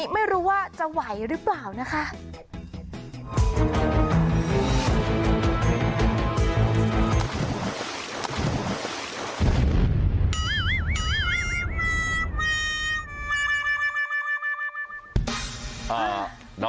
ไม่ไหวค่ะ